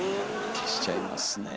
消しちゃいますね。